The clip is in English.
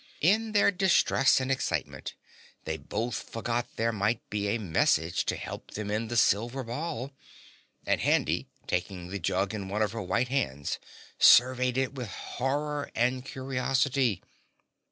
In their distress and excitement, they both forgot there might be a message to help them in the silver ball, and Handy, taking the jug in one of her white hands, surveyed it with horror and curiosity.